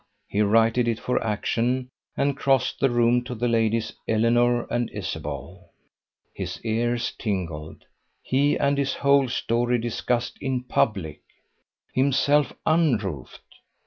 He righted it for action, and crossed the room to the ladies Eleanor and Isabel. His ears tingled. He and his whole story discussed in public! Himself unroofed!